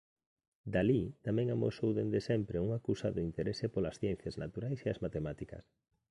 Dalí tamén amosou dende sempre un acusado interese polas ciencias naturais e as matemáticas.